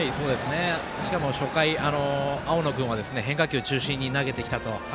しかも初回青野君は変化球中心に投げてきたと。